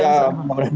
ya memang begitu